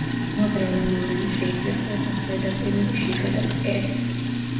მოძრავი მორენა შეიძლება იყოს ზედაპირული, შიგა და ფსკერის.